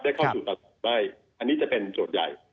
ได้เข้าสู่ตลาดได้อันนี้จะเป็นโจทย์ใหญ่